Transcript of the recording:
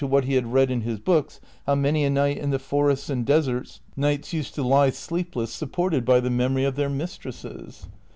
49 coiit'onu to what lie had read in his books, how uiany anight in the forests and deserts knights vised to lie sleepless snpjjorted by the memory of their mistresses.